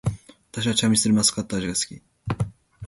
私はチャミスルマスカット味が好き